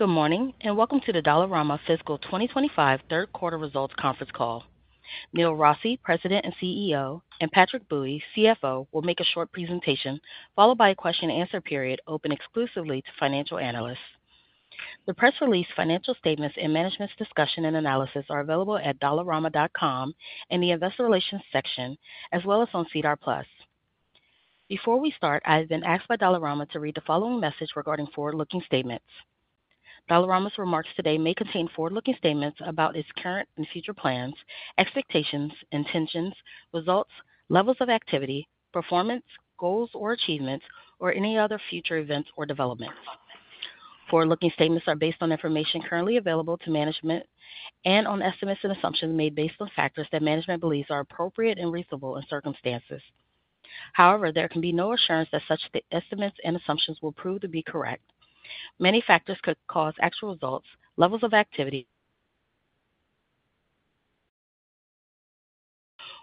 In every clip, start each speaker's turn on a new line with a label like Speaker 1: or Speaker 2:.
Speaker 1: Good morning and welcome to the Dollarama Fiscal 2025 Third Quarter Results Conference Call. Neil Rossy, President and CEO, and Patrick Bui, CFO, will make a short presentation followed by a question-and-answer period open exclusively to financial analysts. The press release, financial statements, and management's discussion and analysis are available at dollarama.com in the Investor Relations section, as well as on SEDAR+. Before we start, I have been asked by Dollarama to read the following message regarding forward-looking statements. Dollarama's remarks today may contain forward-looking statements about its current and future plans, expectations, intentions, results, levels of activity, performance, goals or achievements, or any other future events or developments. Forward-looking statements are based on information currently available to management and on estimates and assumptions made based on factors that management believes are appropriate and reasonable in circumstances. However, there can no assurance that such estimates and assumptions will prove to be correct. Many factors could cause actual results, levels of activity,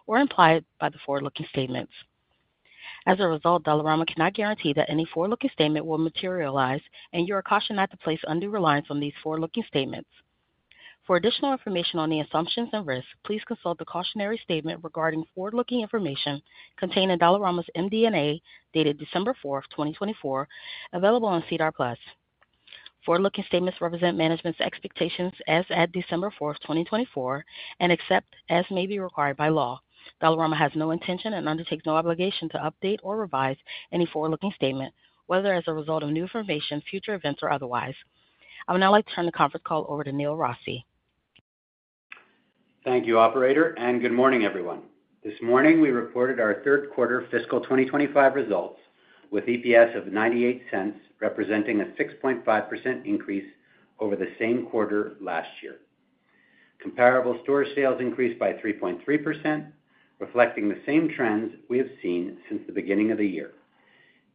Speaker 1: or implied by the forward-looking statements. As a result, Dollarama cannot guarantee that any forward-looking statement will materialize, and you are cautioned not to place undue reliance on these forward-looking statements. For additional information on the assumptions and risks, please consult the cautionary statement regarding forward-looking information contained in Dollarama's MD&A dated December 4, 2024, available on SEDAR+. Forward-looking statements represent management's expectations as at December 4, 2024, and except as may be required by law. Dollarama has no intention and undertakes no obligation to update or revise any forward-looking statement, whether as a result of new information, future events, or otherwise. I would now like to turn the conference call over to Neil Rossy.
Speaker 2: Thank you, Operator, and good morning, everyone. This morning, we reported our third quarter fiscal 2025 results with EPS of $0.98, representing a 6.5% increase over the same quarter last year. Comparable store sales increased by 3.3%, reflecting the same trends we have seen since the beginning of the year.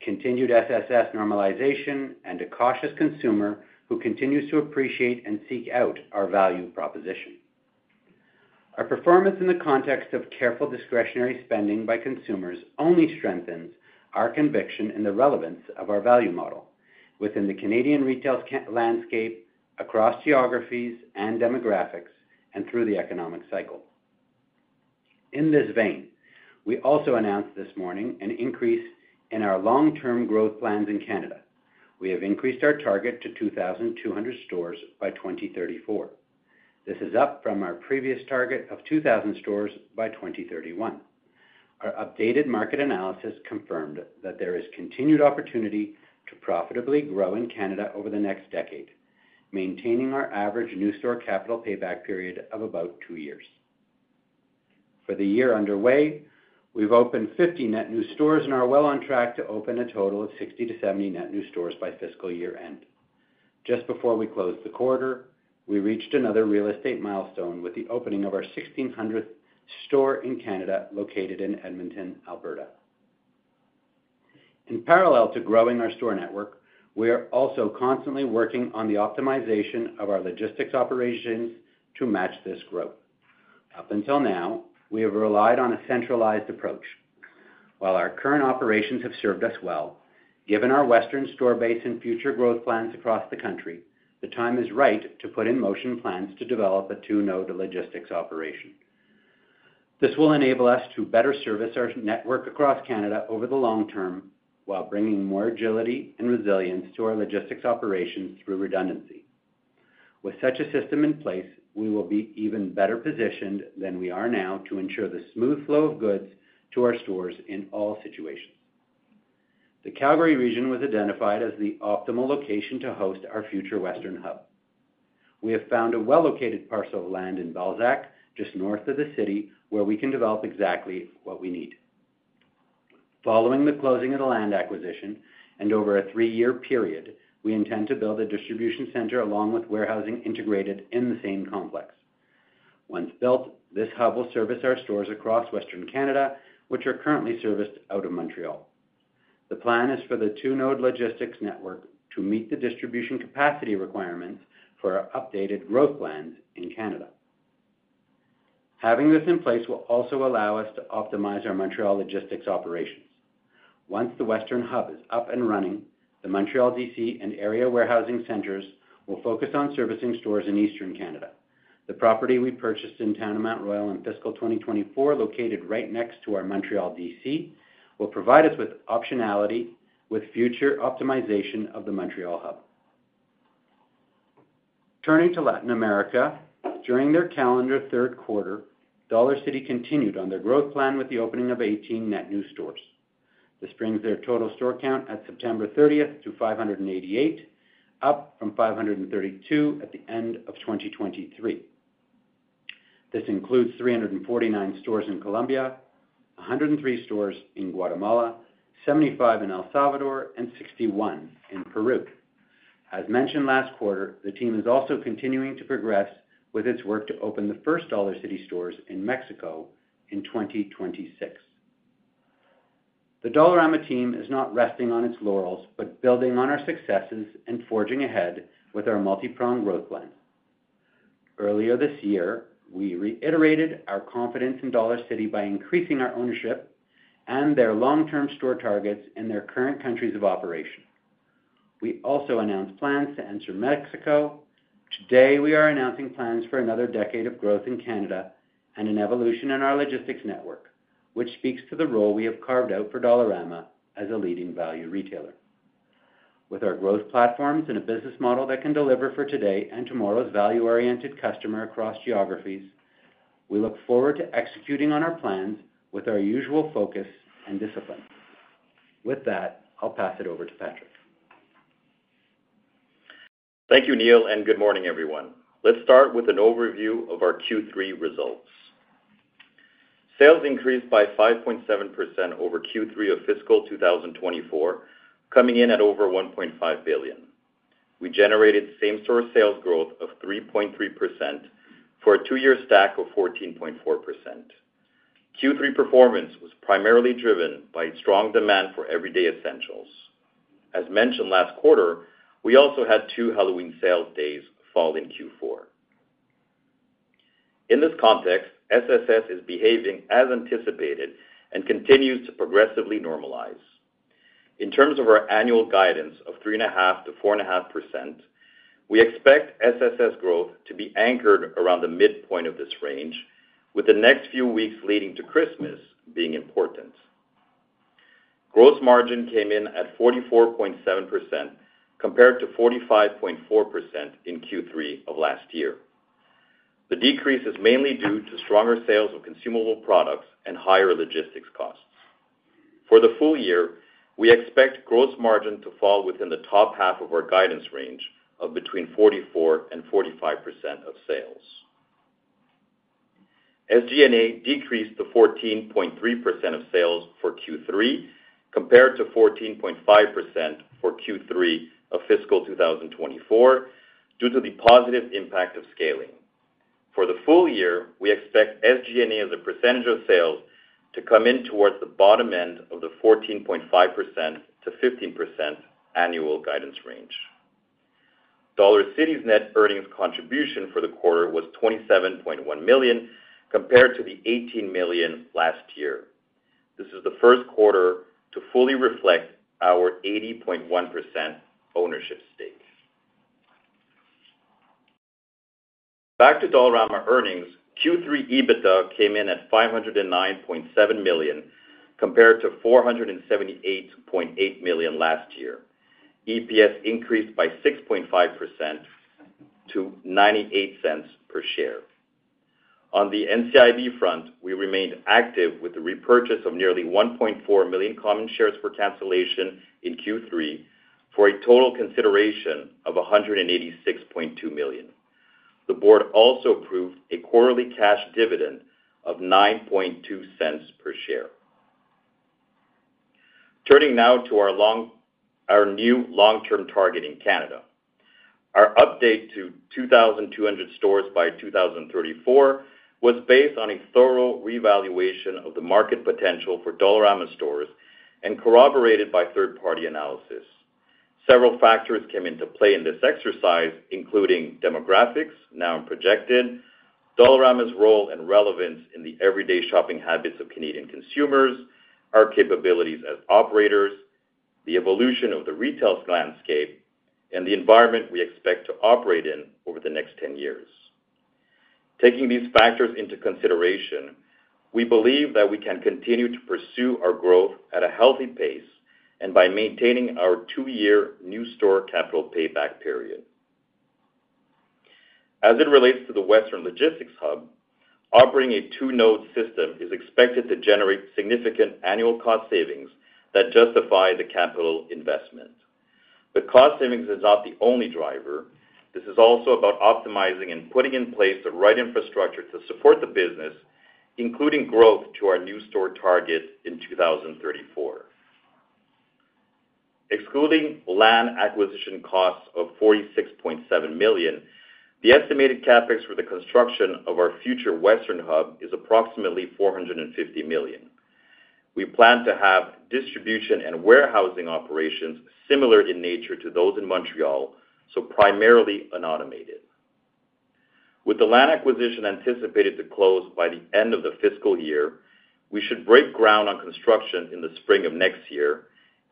Speaker 2: Continued SSS normalization and a cautious consumer who continues to appreciate and seek out our value proposition. Our performance in the context of careful discretionary spending by consumers only strengthens our conviction in the relevance of our value model within the Canadian retail landscape, across geographies and demographics, and through the economic cycle. In this vein, we also announced this morning an increase in our long-term growth plans in Canada. We have increased our target to 2,200 stores by 2034. This is up from our previous target of 2,000 stores by 2031. Our updated market analysis confirmed that there is continued opportunity to profitably grow in Canada over the next decade, maintaining our average new store capital payback period of about two years. For the year underway, we've opened 50 net new stores and are well on track to open a total of 60-70 net new stores by fiscal year end. Just before we closed the quarter, we reached another real estate milestone with the opening of our 1,600th store in Canada located in Edmonton, Alberta. In parallel to growing our store network, we are also constantly working on the optimization of our logistics operations to match this growth. Up until now, we have relied on a centralized approach. While our current operations have served us well, given our western store base and future growth plans across the country, the time is right to put in motion plans to develop a two-node logistics operation. This will enable us to better service our network across Canada over the long term while bringing more agility and resilience to our logistics operations through redundancy. With such a system in place, we will be even better positioned than we are now to ensure the smooth flow of goods to our stores in all situations. The Calgary region was identified as the optimal location to host our future western hub. We have found a well-located parcel of land in Balzac just north of the city where we can develop exactly what we need. Following the closing of the land acquisition and over a three-year period, we intend to build a distribution center along with warehousing integrated in the same complex. Once built, this hub will service our stores across Western Canada, which are currently serviced out of Montreal. The plan is for the two-node logistics network to meet the distribution capacity requirements for our updated growth plans in Canada. Having this in place will also allow us to optimize our Montreal logistics operations. Once the western hub is up and running, the Montreal DC and area warehousing centers will focus on servicing stores in Eastern Canada. The property we purchased in Town of Mount Royal in fiscal 2024, located right next to our Montreal DC, will provide us with optionality with future optimization of the Montreal hub. Turning to Latin America, during their calendar third quarter, Dollarcity continued on their growth plan with the opening of 18 net new stores. This brings their total store count at September 30 to 588, up from 532 at the end of 2023. This includes 349 stores in Colombia, 103 stores in Guatemala, 75 in El Salvador, and 61 in Peru. As mentioned last quarter, the team is also continuing to progress with its work to open the first Dollarcity stores in Mexico in 2026. The Dollarama team is not resting on its laurels but building on our successes and forging ahead with our multi-pronged growth plans. Earlier this year, we reiterated our confidence in Dollarcity by increasing our ownership and their long-term store targets in their current countries of operation. We also announced plans to enter Mexico. Today, we are announcing plans for another decade of growth in Canada and an evolution in our logistics network, which speaks to the role we have carved out for Dollarama as a leading value retailer. With our growth platforms and a business model that can deliver for today and tomorrow's value-oriented customer across geographies, we look forward to executing on our plans with our usual focus and discipline. With that, I'll pass it over to Patrick.
Speaker 3: Thank you, Neil, and good morning, everyone. Let's start with an overview of our Q3 results. Sales increased by 5.7% over Q3 of fiscal 2024, coming in at over 1.5 billion. We generated same-store sales growth of 3.3% for a two-year stack of 14.4%. Q3 performance was primarily driven by strong demand for everyday essentials. As mentioned last quarter, we also had two Halloween sales days fall in Q4. In this context, SSS is behaving as anticipated and continues to progressively normalize. In terms of our annual guidance of 3.5%-4.5%, we expect SSS growth to be anchored around the midpoint of this range, with the next few weeks leading to Christmas being important. Gross margin came in at 44.7% compared to 45.4% in Q3 of last year. The decrease is mainly due to stronger sales of consumable products and higher logistics costs. For the full year, we expect gross margin to fall within the top half of our guidance range of between 44% and 45% of sales. SG&A decreased to 14.3% of sales for Q3 compared to 14.5% for Q3 of fiscal 2024 due to the positive impact of scaling. For the full year, we expect SG&A as a percentage of sales to come in towards the bottom end of the 14.5%-15% annual guidance range. Dollarcity's net earnings contribution for the quarter was $27.1 million compared to the $18 million last year. This is the first quarter to fully reflect our 80.1% ownership stake. Back to Dollarama earnings, Q3 EBITDA came in at $509.7 million compared to $478.8 million last year. EPS increased by 6.5% to $0.98 per share. On the NCIB front, we remained active with the repurchase of nearly 1.4 million common shares for cancellation in Q3 for a total consideration of 186.2 million. The board also approved a quarterly cash dividend of 0.092 per share. Turning now to our new long-term target in Canada. Our update to 2,200 stores by 2034 was based on a thorough reevaluation of the market potential for Dollarama stores and corroborated by third-party analysis. Several factors came into play in this exercise, including demographics, now projected, Dollarama's role and relevance in the everyday shopping habits of Canadian consumers, our capabilities as operators, the evolution of the retail landscape, and the environment we expect to operate in over the next 10 years. Taking these factors into consideration, we believe that we can continue to pursue our growth at a healthy pace and by maintaining our two-year new store capital payback period. As it relates to the western logistics hub, operating a two-node system is expected to generate significant annual cost savings that justify the capital investment. The cost savings is not the only driver. This is also about optimizing and putting in place the right infrastructure to support the business, including growth to our new store target in 2034. Excluding land acquisition costs of 46.7 million, the estimated CapEx for the construction of our future western hub is approximately 450 million. We plan to have distribution and warehousing operations similar in nature to those in Montreal, so primarily un-automated. With the land acquisition anticipated to close by the end of the fiscal year, we should break ground on construction in the spring of next year,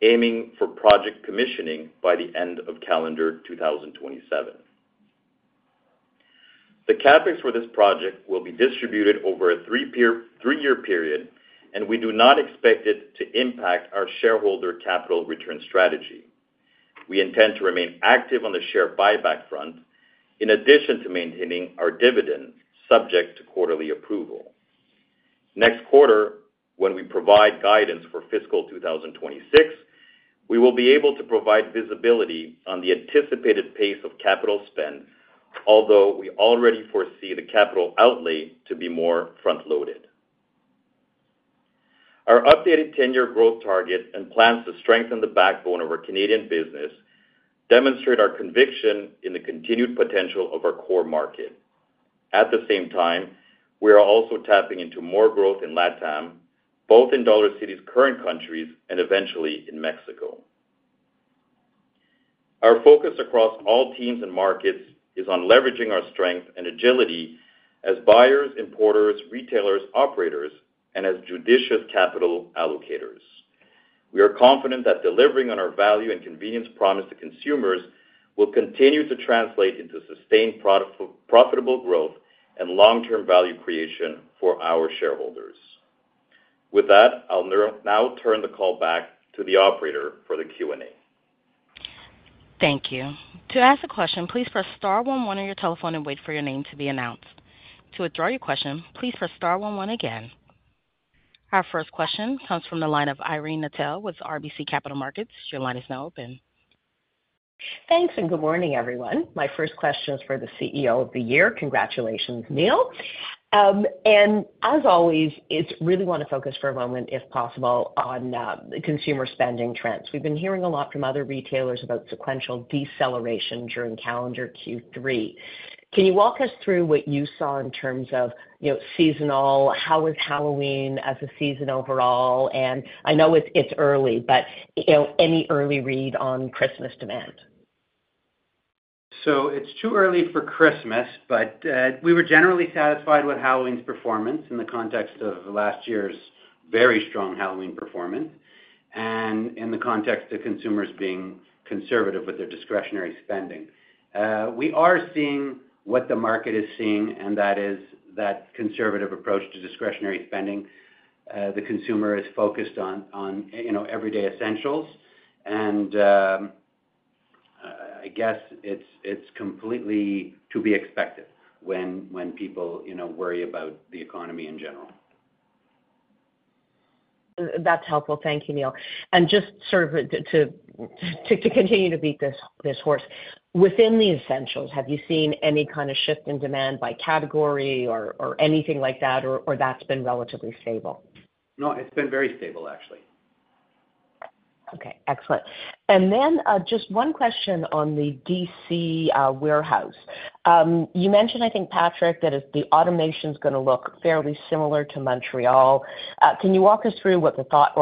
Speaker 3: aiming for project commissioning by the end of calendar 2027. The CapEx for this project will be distributed over a three-year period, and we do not expect it to impact our shareholder capital return strategy. We intend to remain active on the share buyback front in addition to maintaining our dividend subject to quarterly approval. Next quarter, when we provide guidance for fiscal 2026, we will be able to provide visibility on the anticipated pace of capital spend, although we already foresee the capital outlay to be more front-loaded. Our updated 10-year growth target and plans to strengthen the backbone of our Canadian business demonstrate our conviction in the continued potential of our core market. At the same time, we are also tapping into more growth in LATAM, both in Dollarcity's current countries and eventually in Mexico. Our focus across all teams and markets is on leveraging our strength and agility as buyers, importers, retailers, operators, and as judicious capital allocators. We are confident that delivering on our value and convenience promised to consumers will continue to translate into sustained profitable growth and long-term value creation for our shareholders. With that, I'll now turn the call back to the operator for the Q&A.
Speaker 1: Thank you. To ask a question, please press star one one on your telephone and wait for your name to be announced. To withdraw your question, please press star one one again. Our first question comes from the line of Irene Nattel with RBC Capital Markets. Your line is now open.
Speaker 4: Thanks and good morning, everyone. My first question is for the CEO of the Year. Congratulations, Neil. And as always, I really want to focus for a moment, if possible, on consumer spending trends. We've been hearing a lot from other retailers about sequential deceleration during calendar Q3. Can you walk us through what you saw in terms of seasonal? How was Halloween as a season overall? And I know it's early, but any early read on Christmas demand?
Speaker 2: It's too early for Christmas, but we were generally satisfied with Halloween's performance in the context of last year's very strong Halloween performance and in the context of consumers being conservative with their discretionary spending. We are seeing what the market is seeing, and that is that conservative approach to discretionary spending. The consumer is focused on everyday essentials, and I guess it's completely to be expected when people worry about the economy in general.
Speaker 4: That's helpful. Thank you, Neil. And just sort of to continue to beat this horse, within the essentials, have you seen any kind of shift in demand by category or anything like that, or that's been relatively stable?
Speaker 2: No, it's been very stable, actually.
Speaker 4: Okay. Excellent. And then just one question on the DC warehouse. You mentioned, I think, Patrick, that the automation is going to look fairly similar to Montreal. Can you walk us through what the thought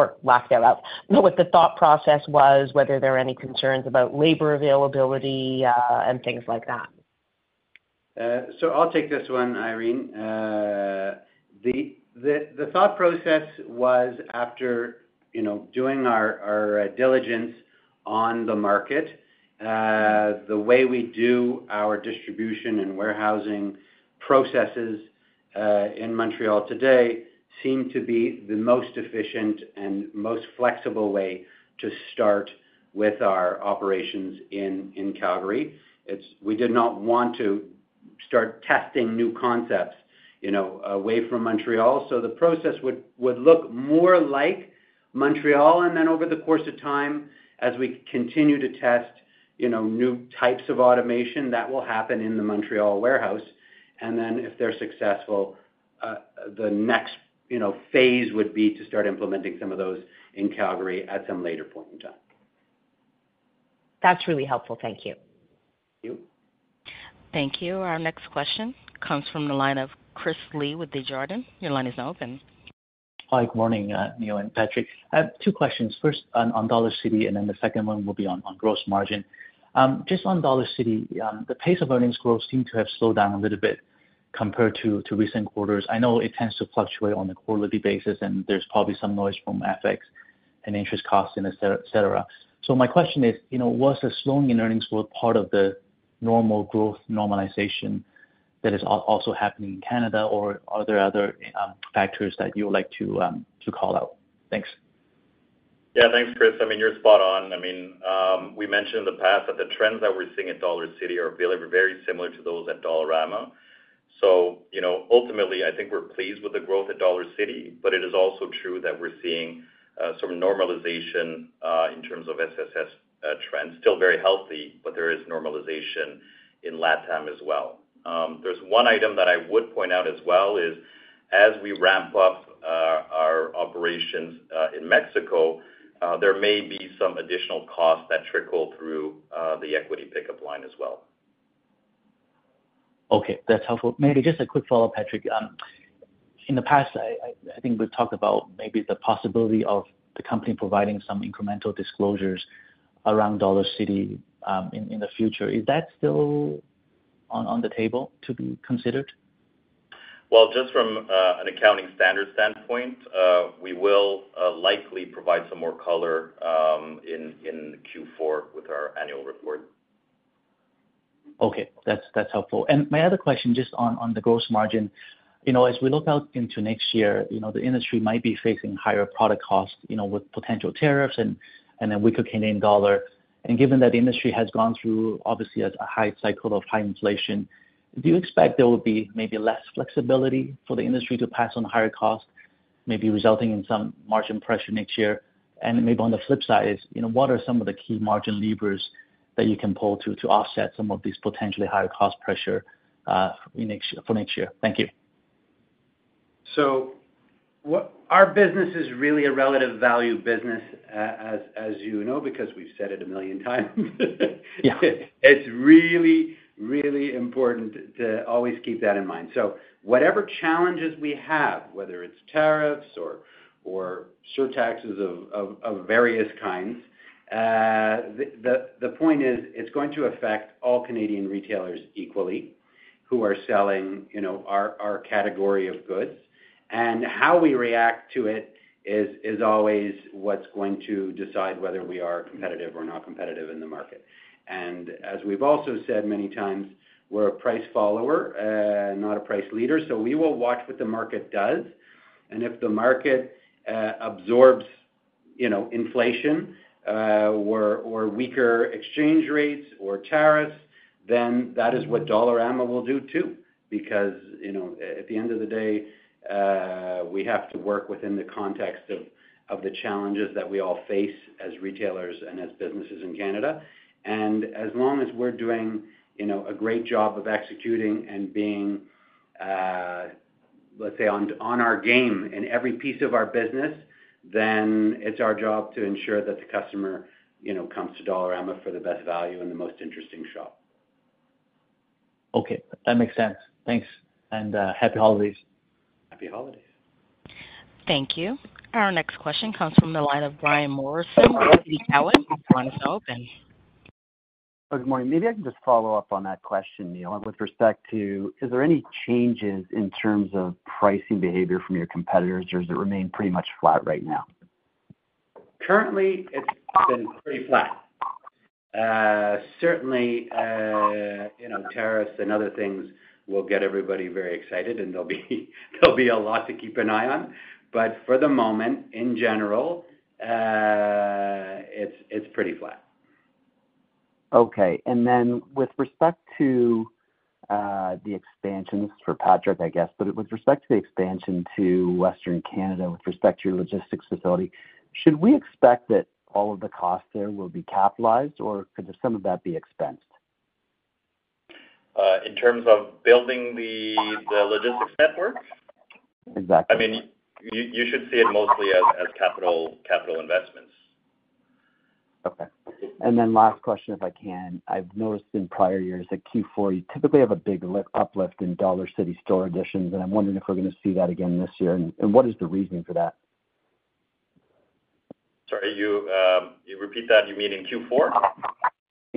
Speaker 4: process was, whether there are any concerns about labor availability and things like that?
Speaker 2: So I'll take this one, Irene. The thought process was after doing our diligence on the market, the way we do our distribution and warehousing processes in Montreal today seemed to be the most efficient and most flexible way to start with our operations in Calgary. We did not want to start testing new concepts away from Montreal, so the process would look more like Montreal. And then over the course of time, as we continue to test new types of automation, that will happen in the Montreal warehouse. And then if they're successful, the next phase would be to start implementing some of those in Calgary at some later point in time.
Speaker 4: That's really helpful. Thank you.
Speaker 2: Thank you.
Speaker 1: Thank you. Our next question comes from the line of Chris Li with Desjardins. Your line is now open.
Speaker 5: Hi, good morning, Neil and Patrick. Two questions. First on Dollarcity, and then the second one will be on gross margin. Just on Dollarcity, the pace of earnings growth seemed to have slowed down a little bit compared to recent quarters. I know it tends to fluctuate on a quarterly basis, and there's probably some noise from FX and interest costs and etc. So my question is, was the slowing in earnings growth part of the normal growth normalization that is also happening in Canada, or are there other factors that you would like to call out? Thanks.
Speaker 3: Yeah, thanks, Chris. I mean, you're spot on. I mean, we mentioned in the past that the trends that we're seeing at Dollarcity are very similar to those at Dollarama. So ultimately, I think we're pleased with the growth at Dollarcity, but it is also true that we're seeing some normalization in terms of SSS trends. Still very healthy, but there is normalization in LATAM as well. There's one item that I would point out as well is, as we ramp up our operations in Mexico, there may be some additional costs that trickle through the equity pickup line as well.
Speaker 5: Okay. That's helpful. Maybe just a quick follow-up, Patrick. In the past, I think we've talked about maybe the possibility of the company providing some incremental disclosures around Dollarcity in the future. Is that still on the table to be considered?
Speaker 3: Just from an accounting standards standpoint, we will likely provide some more color in Q4 with our annual report.
Speaker 5: Okay. That's helpful. And my other question just on the gross margin, as we look out into next year, the industry might be facing higher product costs with potential tariffs and a weaker Canadian dollar. And given that the industry has gone through, obviously, a high cycle of high inflation, do you expect there will be maybe less flexibility for the industry to pass on higher costs, maybe resulting in some margin pressure next year? And maybe on the flip side, what are some of the key margin levers that you can pull to offset some of this potentially higher cost pressure for next year? Thank you.
Speaker 2: So our business is really a relative value business, as you know, because we've said it a million times. It's really, really important to always keep that in mind. So whatever challenges we have, whether it's tariffs or surtaxes of various kinds, the point is it's going to affect all Canadian retailers equally who are selling our category of goods. And how we react to it is always what's going to decide whether we are competitive or not competitive in the market. And as we've also said many times, we're a price follower, not a price leader. So we will watch what the market does. And if the market absorbs inflation or weaker exchange rates or tariffs, then that is what Dollarama will do too. Because at the end of the day, we have to work within the context of the challenges that we all face as retailers and as businesses in Canada. And as long as we're doing a great job of executing and being, let's say, on our game in every piece of our business, then it's our job to ensure that the customer comes to Dollarama for the best value and the most interesting shop.
Speaker 5: Okay. That makes sense. Thanks. And happy holidays.
Speaker 2: Happy holidays.
Speaker 1: Thank you. Our next question comes from the line of Brian Morrison with TD Cowen, the line is now open.
Speaker 6: Good morning. Maybe I can just follow up on that question, Neil, with respect to, is there any changes in terms of pricing behavior from your competitors, or does it remain pretty much flat right now?
Speaker 2: Currently, it's been pretty flat. Certainly, tariffs and other things will get everybody very excited, and there'll be a lot to keep an eye on. But for the moment, in general, it's pretty flat.
Speaker 6: Okay. And then with respect to the expansions for Patrick, I guess, but with respect to the expansion to Western Canada, with respect to your logistics facility, should we expect that all of the costs there will be capitalized, or could some of that be expensed?
Speaker 3: In terms of building the logistics network?
Speaker 6: Exactly.
Speaker 3: I mean, you should see it mostly as capital investments.
Speaker 6: Okay. And then last question, if I can. I've noticed in prior years that Q4, you typically have a big uplift in Dollarcity store additions, and I'm wondering if we're going to see that again this year. And what is the reasoning for that?
Speaker 3: Sorry, you repeat that? You mean in Q4?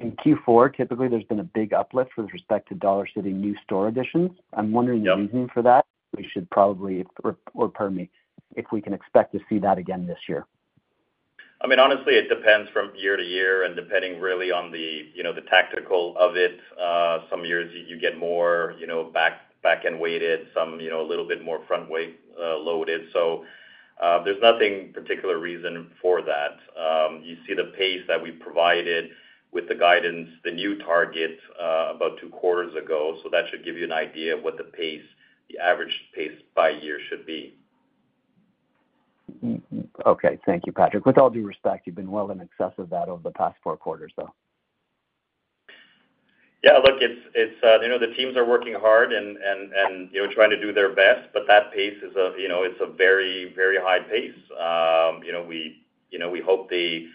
Speaker 6: In Q4, typically, there's been a big uplift with respect to Dollarcity new store additions. I'm wondering the reason for that. We should probably, or pardon me, if we can expect to see that again this year.
Speaker 3: I mean, honestly, it depends from year-to-year and depending really on the tactical of it. Some years, you get more back-end weighted, some a little bit more front-weight loaded. So there's nothing particular reason for that. You see the pace that we provided with the guidance, the new target about two quarters ago. So that should give you an idea of what the average pace by year should be.
Speaker 6: Okay. Thank you, Patrick. With all due respect, you've been well in excess of that over the past four quarters, though.
Speaker 3: Yeah. Look, the teams are working hard and trying to do their best, but that pace, it's a very, very high pace. We hope they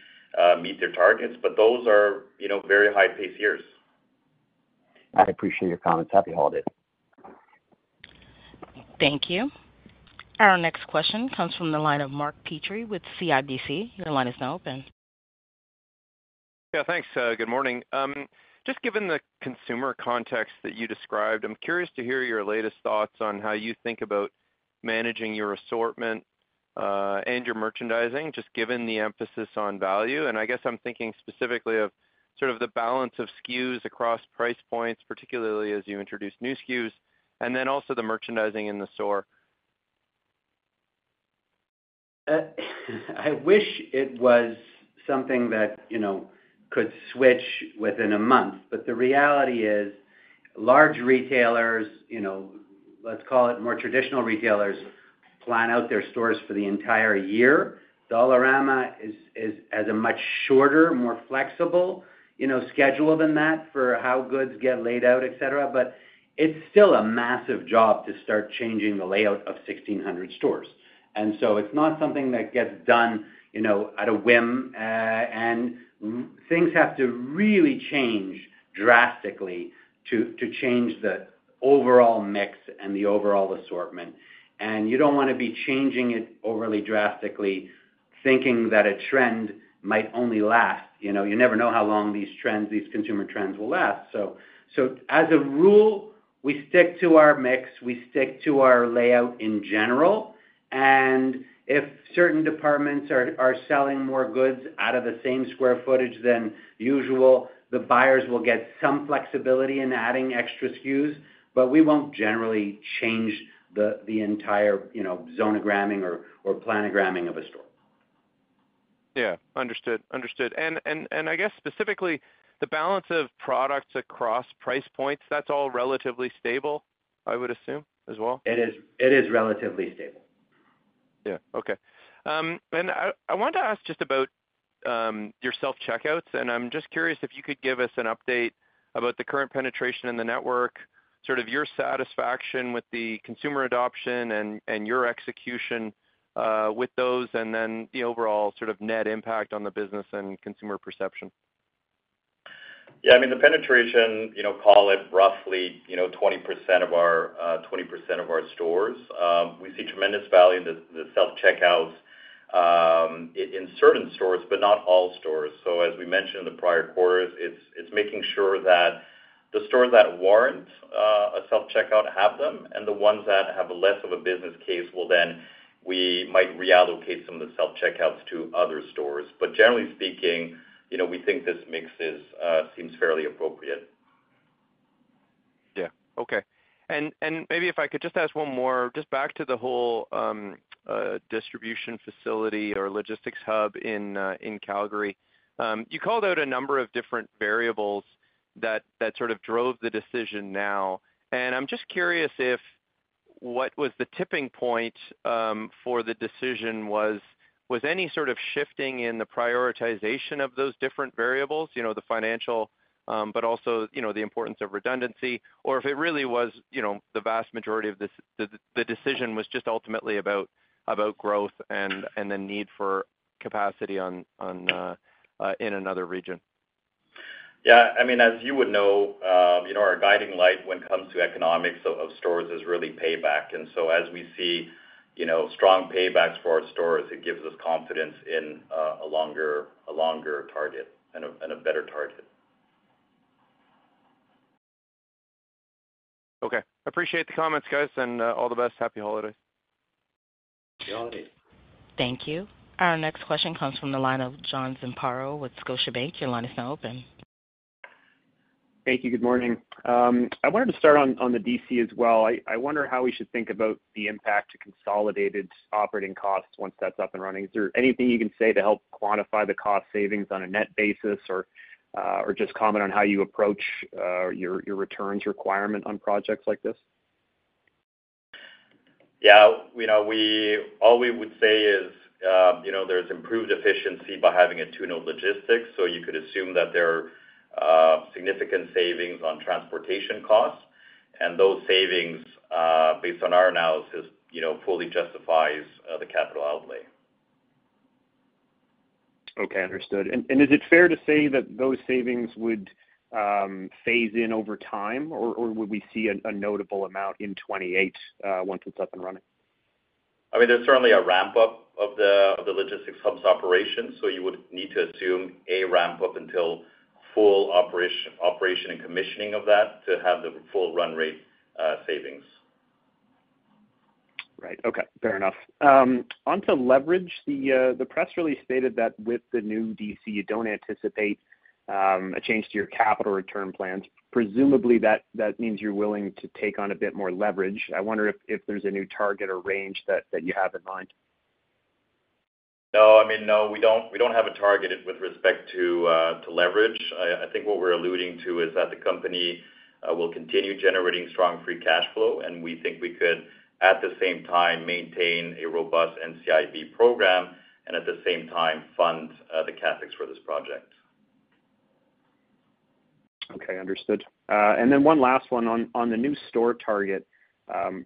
Speaker 3: meet their targets, but those are very high-pace years.
Speaker 6: I appreciate your comments. Happy holidays.
Speaker 1: Thank you. Our next question comes from the line of Mark Petrie with CIBC. Your line is now open.
Speaker 7: Yeah. Thanks. Good morning. Just given the consumer context that you described, I'm curious to hear your latest thoughts on how you think about managing your assortment and your merchandising, just given the emphasis on value. And I guess I'm thinking specifically of sort of the balance of SKUs across price points, particularly as you introduce new SKUs, and then also the merchandising in the store.
Speaker 2: I wish it was something that could switch within a month, but the reality is large retailers, let's call it more traditional retailers, plan out their stores for the entire year. Dollarama has a much shorter, more flexible schedule than that for how goods get laid out, etc., but it's still a massive job to start changing the layout of 1,600 stores, and so it's not something that gets done at a whim, and things have to really change drastically to change the overall mix and the overall assortment, and you don't want to be changing it overly drastically, thinking that a trend might only last. You never know how long these trends, these consumer trends will last, so as a rule, we stick to our mix. We stick to our layout in general. If certain departments are selling more goods out of the same square footage than usual, the buyers will get some flexibility in adding extra SKUs, but we won't generally change the entire zonogramming or planogramming of a store.
Speaker 7: Yeah. Understood. And I guess specifically, the balance of products across price points, that's all relatively stable, I would assume, as well?
Speaker 2: It is relatively stable.
Speaker 7: Yeah. Okay. And I wanted to ask just about your self-checkouts, and I'm just curious if you could give us an update about the current penetration in the network, sort of your satisfaction with the consumer adoption and your execution with those, and then the overall sort of net impact on the business and consumer perception.
Speaker 3: Yeah. I mean, the penetration, call it roughly 20% of our stores. We see tremendous value in the self-checkouts in certain stores, but not all stores. So as we mentioned in the prior quarters, it's making sure that the stores that warrant a self-checkout have them, and the ones that have less of a business case, then we might reallocate some of the self-checkouts to other stores. But generally speaking, we think this mix seems fairly appropriate.
Speaker 7: Yeah. Okay, and maybe if I could just ask one more, just back to the whole distribution facility or logistics hub in Calgary. You called out a number of different variables that sort of drove the decision now. And I'm just curious if what was the tipping point for the decision was any sort of shifting in the prioritization of those different variables, the financial, but also the importance of redundancy, or if it really was the vast majority of the decision was just ultimately about growth and the need for capacity in another region.
Speaker 3: Yeah. I mean, as you would know, our guiding light when it comes to economics of stores is really payback. And so as we see strong paybacks for our stores, it gives us confidence in a longer target and a better target.
Speaker 7: Okay. Appreciate the comments, guys, and all the best. Happy holidays.
Speaker 2: Happy holidays.
Speaker 1: Thank you. Our next question comes from the line of John Zamparo with Scotiabank. Your line is now open.
Speaker 8: Thank you. Good morning. I wanted to start on the DC as well. I wonder how we should think about the impact to consolidated operating costs once that's up and running. Is there anything you can say to help quantify the cost savings on a net basis or just comment on how you approach your returns requirement on projects like this?
Speaker 3: Yeah. All we would say is there's improved efficiency by having a two-node logistics. So you could assume that there are significant savings on transportation costs. And those savings, based on our analysis, fully justifies the capital outlay.
Speaker 8: Okay. Understood. And is it fair to say that those savings would phase in over time, or would we see a notable amount in 2028 once it's up and running?
Speaker 3: I mean, there's certainly a ramp-up of the logistics hub's operations, so you would need to assume a ramp-up until full operation and commissioning of that to have the full run rate savings.
Speaker 8: Right. Okay. Fair enough. Onto leverage. The press release stated that with the new DC, you don't anticipate a change to your capital return plans. Presumably, that means you're willing to take on a bit more leverage. I wonder if there's a new target or range that you have in mind?
Speaker 3: No. I mean, no, we don't have a target with respect to leverage. I think what we're alluding to is that the company will continue generating strong free cash flow, and we think we could, at the same time, maintain a robust NCIB program and at the same time fund the CapEx for this project.
Speaker 8: Okay. Understood. And then one last one on the new store target.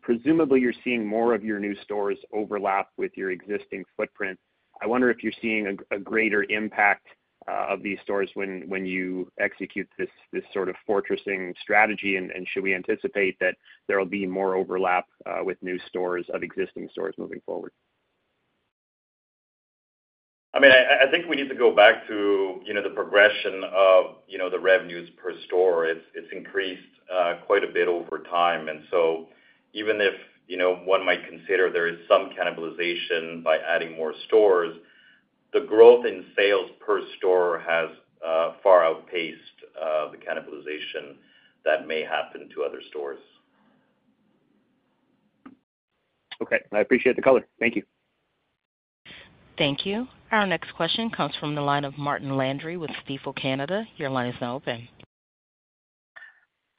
Speaker 8: Presumably, you're seeing more of your new stores overlap with your existing footprint. I wonder if you're seeing a greater impact of these stores when you execute this sort of fortressing strategy, and should we anticipate that there will be more overlap with new stores of existing stores moving forward?
Speaker 3: I mean, I think we need to go back to the progression of the revenues per store. It's increased quite a bit over time, and so even if one might consider there is some cannibalization by adding more stores, the growth in sales per store has far outpaced the cannibalization that may happen to other stores.
Speaker 8: Okay. I appreciate the color. Thank you.
Speaker 1: Thank you. Our next question comes from the line of Martin Landry with Stifel Canada. Your line is now open.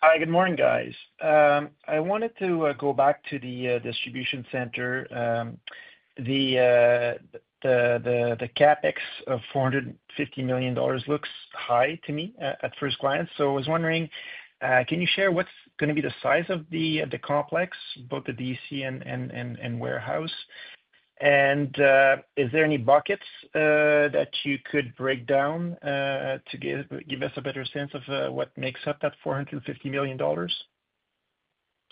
Speaker 9: Hi. Good morning, guys. I wanted to go back to the distribution center. The CapEx of 450 million dollars looks high to me at first glance. So I was wondering, can you share what's going to be the size of the complex, both the DC and warehouse? And is there any buckets that you could break down to give us a better sense of what makes up that 450 million dollars?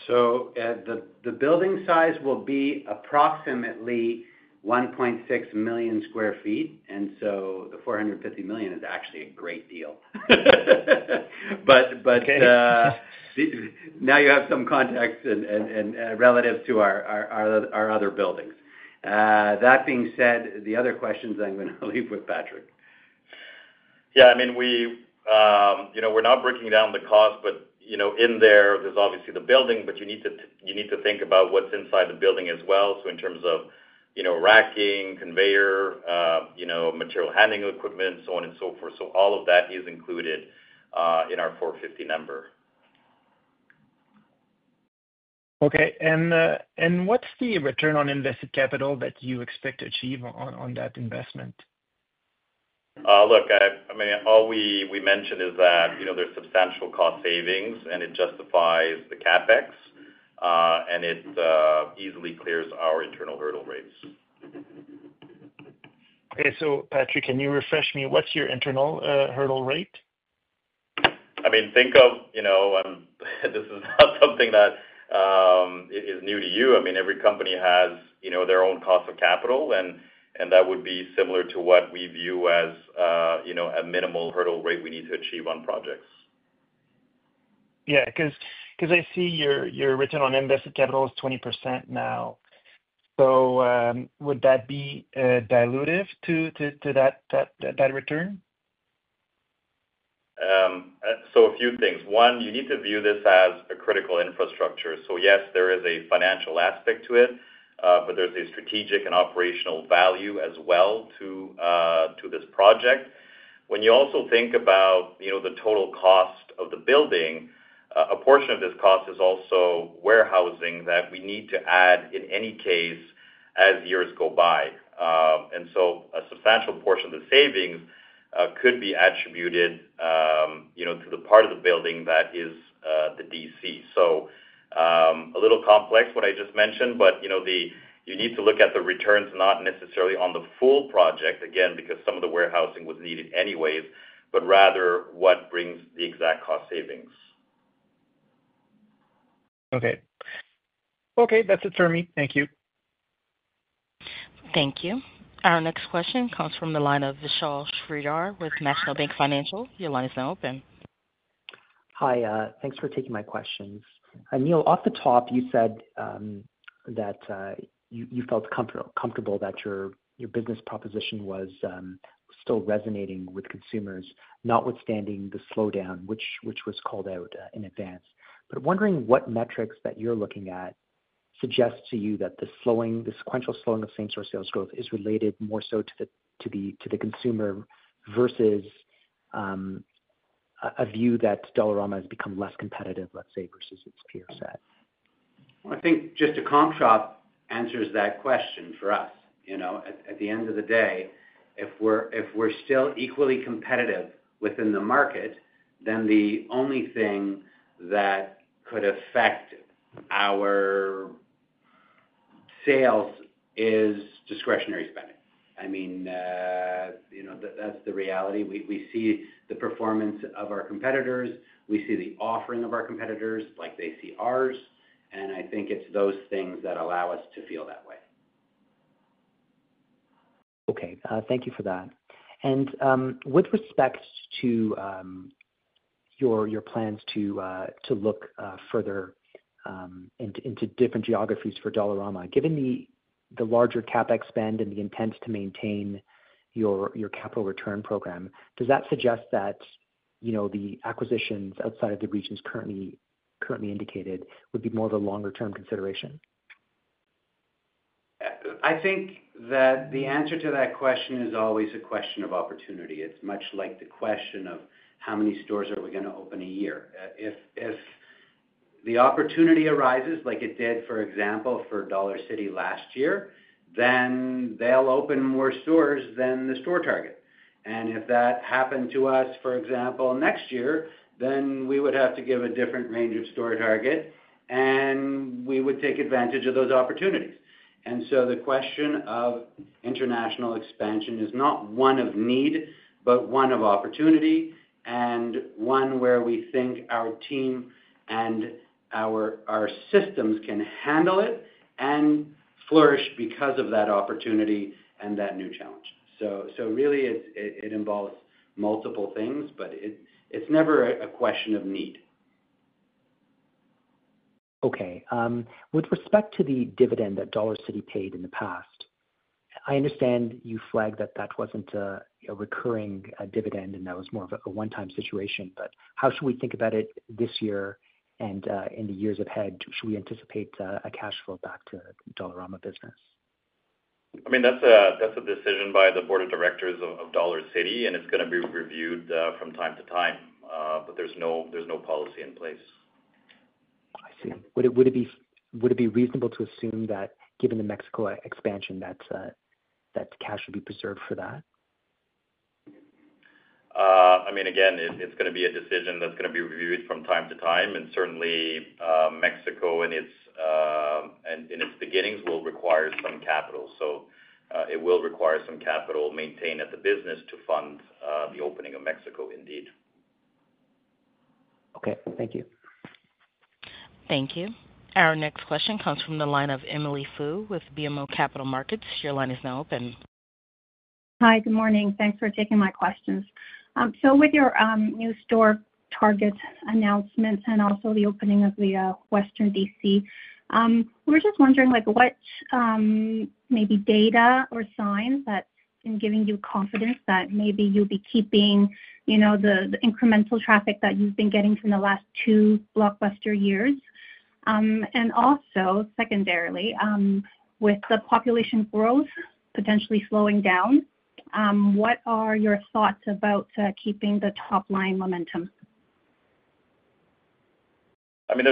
Speaker 2: So the building size will be approximately 1.6 million sq ft. And so the $450 million is actually a great deal. But now you have some context relative to our other buildings. That being said, the other questions I'm going to leave with Patrick.
Speaker 3: Yeah. I mean, we're not breaking down the cost, but in there, there's obviously the building, but you need to think about what's inside the building as well. So in terms of racking, conveyor, material handling equipment, so on and so forth. So all of that is included in our 450 number.
Speaker 9: Okay. And what's the return on invested capital that you expect to achieve on that investment?
Speaker 3: Look, I mean, all we mentioned is that there's substantial cost savings, and it justifies the CapEx, and it easily clears our internal hurdle rates.
Speaker 9: Okay. So Patrick, can you refresh me? What's your internal hurdle rate?
Speaker 3: I mean, think of this is not something that is new to you. I mean, every company has their own cost of capital, and that would be similar to what we view as a minimal hurdle rate we need to achieve on projects.
Speaker 9: Yeah. Because I see your Return on Invested Capital is 20% now. So would that be dilutive to that return?
Speaker 3: So a few things. One, you need to view this as a critical infrastructure. So yes, there is a financial aspect to it, but there's a strategic and operational value as well to this project. When you also think about the total cost of the building, a portion of this cost is also warehousing that we need to add in any case as years go by. And so a substantial portion of the savings could be attributed to the part of the building that is the DC. So a little complex, what I just mentioned, but you need to look at the returns, not necessarily on the full project, again, because some of the warehousing was needed anyways, but rather what brings the exact cost savings.
Speaker 9: Okay. Okay. That's it for me. Thank you.
Speaker 1: Thank you. Our next question comes from the line of Vishal Shreedhar with National Bank Financial. Your line is now open.
Speaker 10: Hi. Thanks for taking my questions. Neil, off the top, you said that you felt comfortable that your business proposition was still resonating with consumers, notwithstanding the slowdown, which was called out in advance. But wondering what metrics that you're looking at suggest to you that the sequential slowing of same-store sales growth is related more so to the consumer versus a view that Dollarama has become less competitive, let's say, versus its peer set?
Speaker 2: I think just a comp shop answers that question for us. At the end of the day, if we're still equally competitive within the market, then the only thing that could affect our sales is discretionary spending. I mean, that's the reality. We see the performance of our competitors. We see the offering of our competitors like they see ours, and I think it's those things that allow us to feel that way.
Speaker 10: Okay. Thank you for that. And with respect to your plans to look further into different geographies for Dollarama, given the larger CapEx spend and the intent to maintain your capital return program, does that suggest that the acquisitions outside of the regions currently indicated would be more of a longer-term consideration?
Speaker 2: I think that the answer to that question is always a question of opportunity. It's much like the question of how many stores are we going to open a year. If the opportunity arises, like it did, for example, for Dollarcity last year, then they'll open more stores than the store target. And if that happened to us, for example, next year, then we would have to give a different range of store target, and we would take advantage of those opportunities. And so the question of international expansion is not one of need, but one of opportunity, and one where we think our team and our systems can handle it and flourish because of that opportunity and that new challenge. So really, it involves multiple things, but it's never a question of need.
Speaker 10: Okay. With respect to the dividend that Dollarcity paid in the past, I understand you flagged that that wasn't a recurring dividend and that was more of a one-time situation, but how should we think about it this year and in the years ahead? Should we anticipate a cash flow back to Dollarama business?
Speaker 3: I mean, that's a decision by the board of directors of Dollarcity, and it's going to be reviewed from time to time, but there's no policy in place.
Speaker 10: I see. Would it be reasonable to assume that given the Mexico expansion, that cash would be preserved for that?
Speaker 3: I mean, again, it's going to be a decision that's going to be reviewed from time to time, and certainly Mexico in its beginnings will require some capital, so it will require some capital maintained at the business to fund the opening of Mexico, indeed.
Speaker 10: Okay. Thank you.
Speaker 1: Thank you. Our next question comes from the line of Emily Foo with BMO Capital Markets. Your line is now open.
Speaker 11: Hi. Good morning. Thanks for taking my questions. So with your new store target announcements and also the opening of the Western DC, we're just wondering what maybe data or signs that's been giving you confidence that maybe you'll be keeping the incremental traffic that you've been getting from the last two blockbuster years? And also, secondarily, with the population growth potentially slowing down, what are your thoughts about keeping the top-line momentum?
Speaker 3: I mean,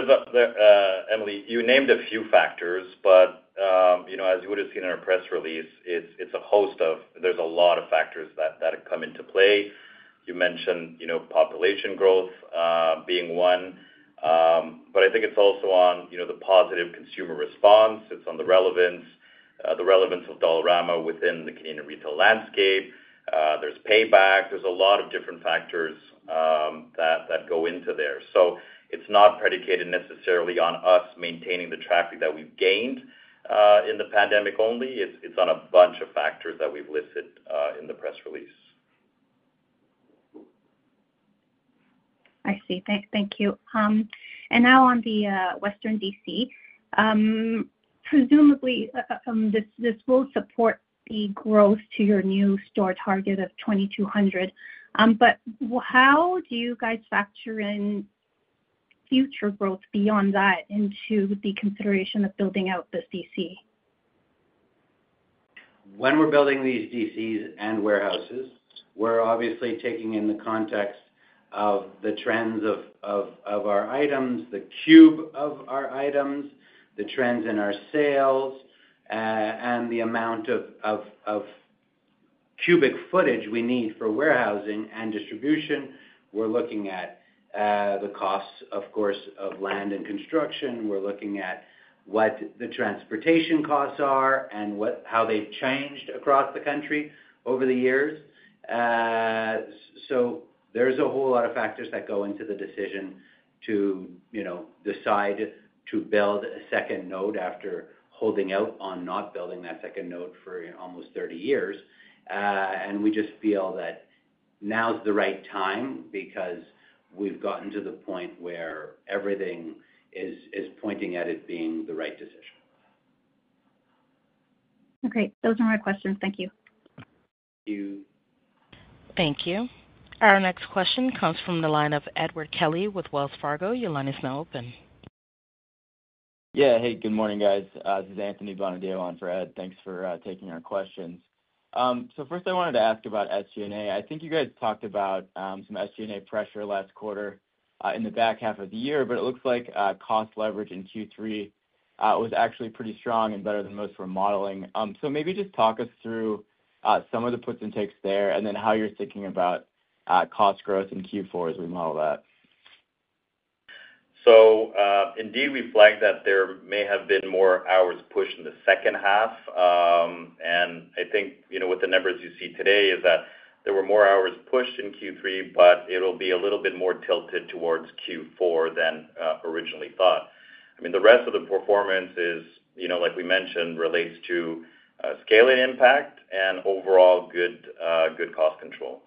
Speaker 3: Emily, you named a few factors, but as you would have seen in a press release, it's a host of. There's a lot of factors that have come into play. You mentioned population growth being one, but I think it's also on the positive consumer response. It's on the relevance of Dollarama within the Canadian retail landscape. There's payback. There's a lot of different factors that go into there. So it's not predicated necessarily on us maintaining the traffic that we've gained in the pandemic only. It's on a bunch of factors that we've listed in the press release.
Speaker 11: I see. Thank you. And now on the Western DC, presumably, this will support the growth to your new store target of 2,200. But how do you guys factor in future growth beyond that into the consideration of building out the DC?
Speaker 2: When we're building these DCs and warehouses, we're obviously taking in the context of the trends of our items, the cube of our items, the trends in our sales, and the amount of cubic footage we need for warehousing and distribution. We're looking at the costs, of course, of land and construction. We're looking at what the transportation costs are and how they've changed across the country over the years. So there's a whole lot of factors that go into the decision to decide to build a second node after holding out on not building that second node for almost 30 years, and we just feel that now's the right time because we've gotten to the point where everything is pointing at it being the right decision.
Speaker 11: Okay. Those are my questions. Thank you.
Speaker 2: Thank you.
Speaker 1: Thank you. Our next question comes from the line of Edward Kelly with Wells Fargo. Your line is now open.
Speaker 12: Yeah. Hey, good morning, guys. This is Anthony Bonadio on for Ed. Thanks for taking our questions. So first, I wanted to ask about SG&A. I think you guys talked about some SG&A pressure last quarter in the back half of the year, but it looks like cost leverage in Q3 was actually pretty strong and better than most were modeling. So maybe just talk us through some of the puts and takes there and then how you're thinking about cost growth in Q4 as we model that.
Speaker 3: So indeed, we flagged that there may have been more hours pushed in the second half. And I think with the numbers you see today is that there were more hours pushed in Q3, but it'll be a little bit more tilted towards Q4 than originally thought. I mean, the rest of the performance, like we mentioned, relates to scaling impact and overall good cost control.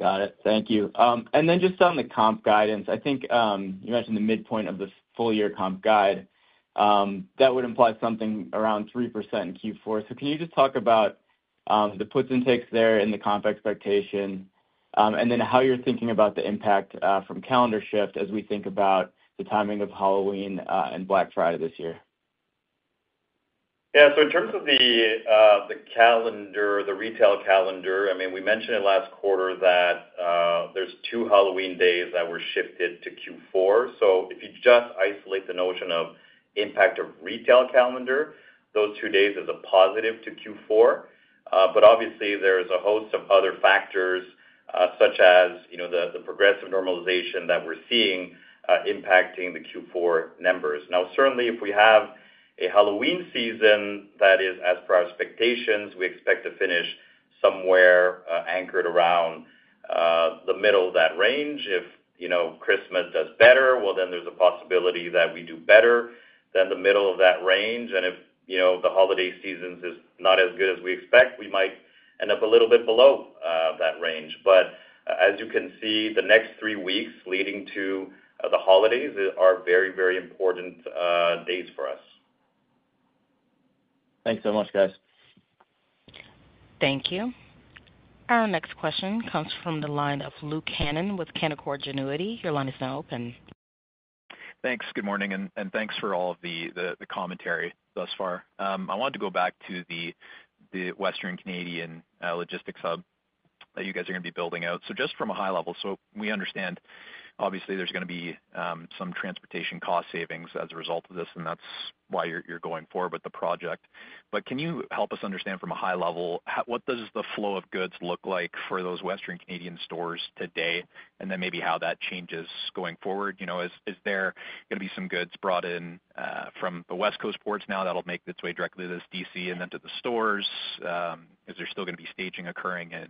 Speaker 12: Got it. Thank you. And then just on the comp guidance, I think you mentioned the midpoint of the full-year comp guide. That would imply something around 3% in Q4. So can you just talk about the puts and takes there and the comp expectation, and then how you're thinking about the impact from calendar shift as we think about the timing of Halloween and Black Friday this year?
Speaker 3: Yeah. So in terms of the calendar, the retail calendar, I mean, we mentioned last quarter that there's two Halloween days that were shifted to Q4. So if you just isolate the notion of impact of retail calendar, those two days is a positive to Q4. But obviously, there is a host of other factors such as the progressive normalization that we're seeing impacting the Q4 numbers. Now, certainly, if we have a Halloween season that is as per our expectations, we expect to finish somewhere anchored around the middle of that range. If Christmas does better, well, then there's a possibility that we do better than the middle of that range. And if the holiday season is not as good as we expect, we might end up a little bit below that range. But as you can see, the next three weeks leading to the holidays they are very, very important days for us.
Speaker 12: Thanks so much, guys.
Speaker 1: Thank you. Our next question comes from the line of Luke Hannan with Canaccord Genuity. Your line is now open.
Speaker 13: Thanks. Good morning, and thanks for all of the commentary thus far. I wanted to go back to the Western Canadian logistics hub that you guys are going to be building out. So just from a high level, so we understand, obviously, there's going to be some transportation cost savings as a result of this, and that's why you're going forward with the project. But can you help us understand from a high level, what does the flow of goods look like for those Western Canadian stores today, and then maybe how that changes going forward? Is there going to be some goods brought in from the West Coast ports now that'll make its way directly to this DC and then to the stores? Is there still going to be staging occurring in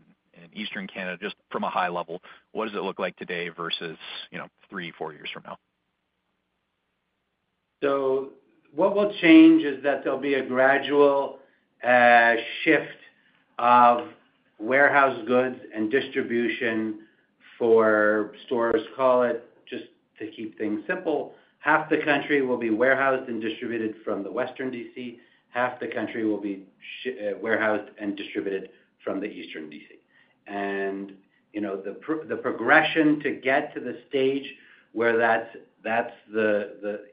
Speaker 13: Eastern Canada? Just from a high level, what does it look like today versus three, four years from now?
Speaker 2: What will change is that there'll be a gradual shift of warehouse goods and distribution for stores, call it, just to keep things simple. Half the country will be warehoused and distributed from the Western DC. Half the country will be warehoused and distributed from the Eastern DC. And the progression to get to the stage where that's the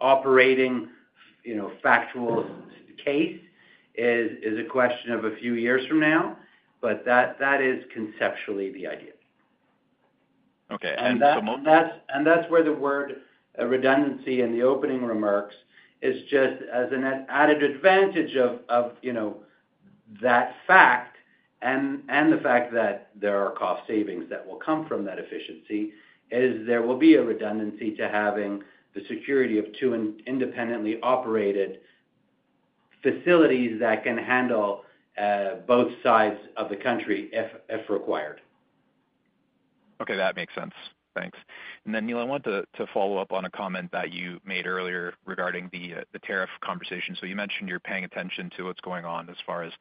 Speaker 2: operating factual case is a question of a few years from now, but that is conceptually the idea. And that's where the word redundancy in the opening remarks is just as an added advantage of that fact and the fact that there are cost savings that will come from that efficiency is there will be a redundancy to having the security of two independently operated facilities that can handle both sides of the country if required.
Speaker 13: Okay. That makes sense. Thanks. And then, Neil, I want to follow up on a comment that you made earlier regarding the tariff conversation. So you mentioned you're paying attention to what's going on as far as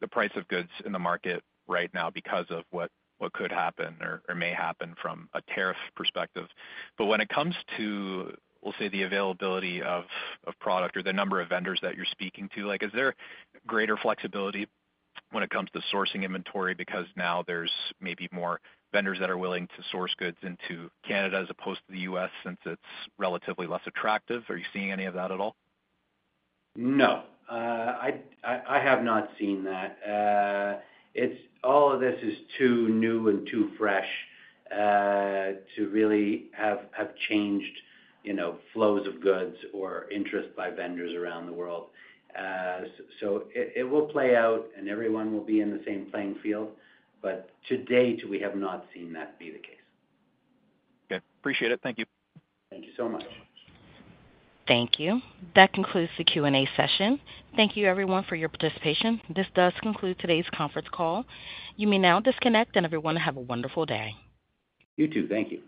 Speaker 13: the price of goods in the market right now because of what could happen or may happen from a tariff perspective. But when it comes to, we'll say, the availability of product or the number of vendors that you're speaking to, is there greater flexibility when it comes to sourcing inventory because now there's maybe more vendors that are willing to source goods into Canada as opposed to the U.S. since it's relatively less attractive? Are you seeing any of that at all?
Speaker 2: No. I have not seen that. All of this is too new and too fresh to really have changed flows of goods or interest by vendors around the world. So it will play out, and everyone will be in the same playing field. But to date, we have not seen that be the case.
Speaker 13: Okay. Appreciate it. Thank you.
Speaker 2: Thank you so much.
Speaker 1: Thank you. That concludes the Q&A session. Thank you, everyone, for your participation. This does conclude today's conference call. You may now disconnect, and everyone have a wonderful day.
Speaker 3: You too. Thank you.